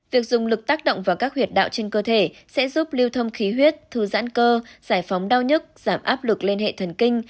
việc dùng lực tác động vào các huyệt đạo trên cơ thể sẽ giúp lưu thông khí huyết thư giãn cơ giải phóng đau nhức giảm áp lực lên hệ thần kinh